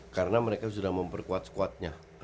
karena mereka sudah memperkuat squadnya